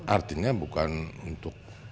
artinya bukan untuk